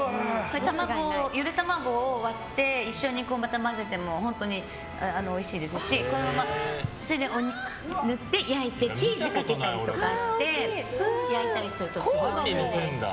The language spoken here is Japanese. ゆで卵を割って一緒に混ぜても本当においしいですし塗って焼いてチーズかけたりとかして焼いたりするとすごくおいしいです。